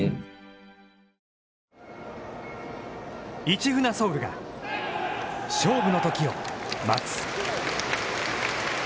「市船ｓｏｕｌ」が勝負のときを待つ。